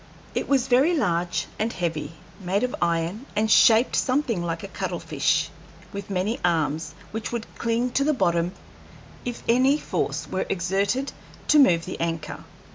It was very large and heavy, made of iron, and shaped something like a cuttlefish, with many arms which would cling to the bottom if any force were exerted to move the anchor.